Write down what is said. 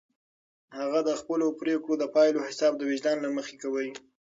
هغه د خپلو پرېکړو د پایلو حساب د وجدان له مخې کاوه.